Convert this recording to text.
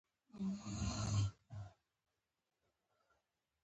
نوې پانګونې بهیر ټکنی شو.